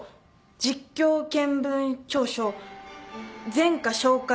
実況見分調書前科照会書。